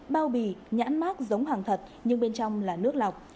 bao bì nhãn mát giống hàng thật nhưng bên trong là nước lọc